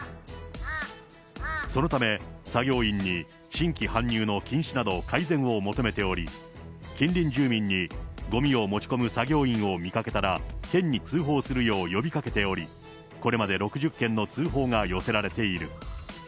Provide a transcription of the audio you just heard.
そのため、作業員に新規搬入の禁止など改善を求めており、近隣住民にごみを持ち込む作業員を見かけたら、県に通報するよう呼びかけており、これまで６０件の通報が寄せられている。